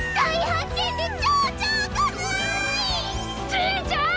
じいちゃん！